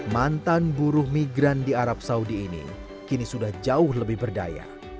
mantan buruh migran di arab saudi ini kini sudah jauh lebih berdaya